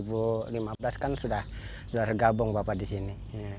sudah lama sudah dari dua ribu lima belas kan sudah gabung bapak disini